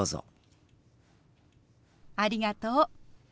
ありがとう。